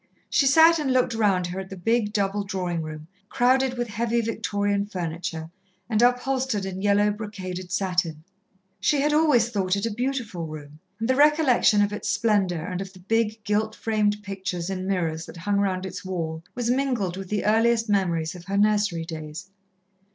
She sat and looked round her at the big, double drawing room, crowded with heavy Victorian furniture, and upholstered in yellow, brocaded satin. She had always thought it a beautiful room, and the recollection of its splendour and of the big, gilt framed pictures and mirrors that hung round its wall, was mingled with the earliest memories of her nursery days.